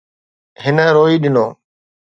هن روئي ڏنو.